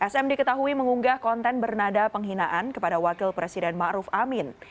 sm diketahui mengunggah konten bernada penghinaan kepada wakil presiden ⁇ maruf ⁇ amin